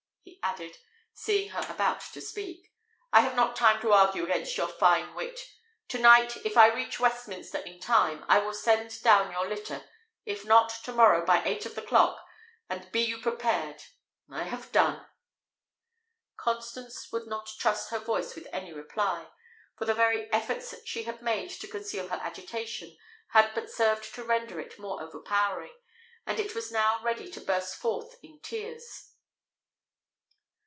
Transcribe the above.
he added, seeing her about to speak; "I have not time to argue against your fine wit. To night, if I reach Westminster in time, I will send down your litter; if not, to morrow, by eight of the clock; and be you prepared. I have done." Constance would not trust her voice with any reply; for the very efforts she had made to conceal her agitation had but served to render it more overpowering, and it was now ready to burst forth in tears.